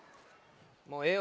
もうええわ。